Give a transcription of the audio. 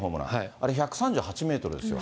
あれ１３８メートルですよ。